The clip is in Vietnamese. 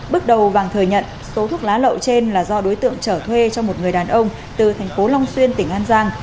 bước đầu vàng thừa nhận số thuốc lá lậu trên là do đối tượng trở thuê cho một người đàn ông từ thành phố long xuyên tỉnh an giang